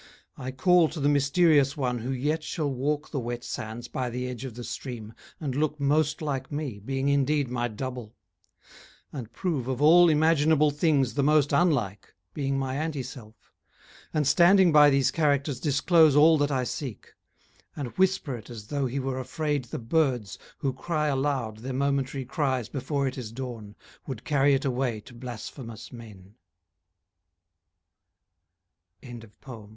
I call to the mysterious one who yet Shall walk the wet sands by the edge of the stream And look most like me, being indeed my double, And prove of all imaginable things The most unlike, being my anti self, And standing by these characters disclose All that I seek; and whisper it as though He were afraid the birds, who cry aloud Their momentary cries before it is dawn, Would carry it away t